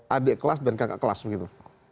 adik kelas dan kakak kelas begitu